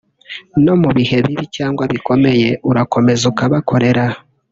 no mu bihe bibi cyangwa bikomeye urakomeza ukabakorera